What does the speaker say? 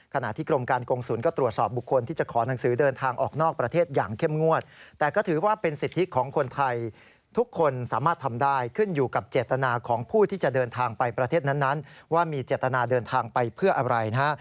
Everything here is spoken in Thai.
ขณะที่กรมการกงศูนย์ก็ตรวจสอบบุคคลที่จะขอหนังสือเดินทางออกนอกประเทศอย่างเข้มงวดแต่ก็ถือว่าเป็นสิทธิของคนไทยทุกคนสามารถทำได้ขึ้นอยู่กับเจตนาของผู้ที่จะเดินทางไปประเทศนั้นว่ามีเจตนาเดินทางไปเพื่ออะไรนะฮะ